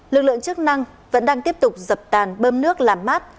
lực lượng chức năng vẫn đang tiếp tục dập tàn bơm nước làm mát